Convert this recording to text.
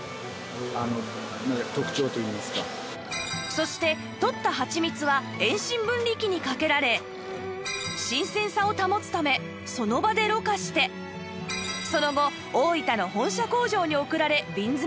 そして採ったはちみつは遠心分離機にかけられ新鮮さを保つためその場でろ過してその後大分の本社工場に送られ瓶詰めされます